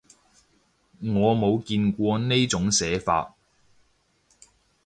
我冇見過呢個寫法